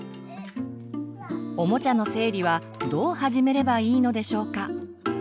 おもちゃの整理はどう始めればいいのでしょうか？